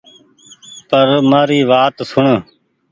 پر مآري وآت سوڻ